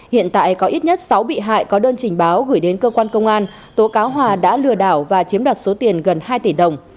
hiện tại có ít nhất sáu bị hại có đơn trình báo gửi đến cơ quan công an tố cáo hòa đã lừa đảo và chiếm đoạt số tiền gần hai tỷ đồng